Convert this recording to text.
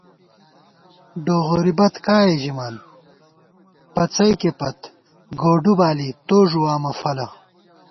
ڈوغوری بت کائے ژِمان، پڅئیکےپت گوڈُو بالی تو ݫُوامہ فَلہ